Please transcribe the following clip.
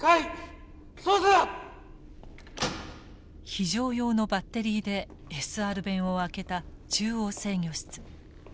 非常用のバッテリーでＳＲ弁を開けた中央制御室。